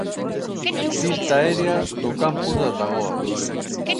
Vista aérea do Campus das Lagoas.